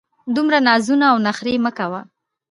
دومره نازونه او نخرې مه کوه!